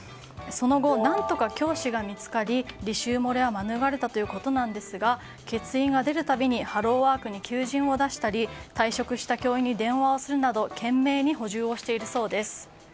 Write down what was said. その後、何とか教師が見つかり履修漏れは免れたということですが欠員が出る度にハローワークに求人を出したり退職した教員に電話をするなど懸命に補充をしているそうです。